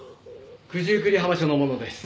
九十九里浜署の者です。